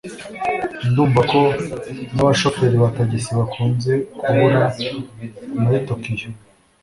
Ndumva ko nabashoferi ba tagisi bakunze kubura muri Tokiyo